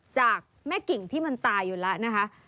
จากแม่กิ่งที่มันตายอยู่แล้วนะคะ